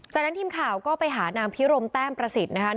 จากนั้นทีมข่าวก็ไปหานางพิรมแต้มประสิทธิ์นะคะ